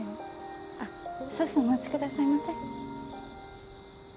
あっ少々お待ちくださいませ。